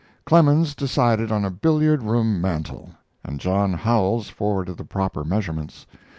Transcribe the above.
Clemens decided on a billiard room mantel, and John Howells forwarded the proper measurements.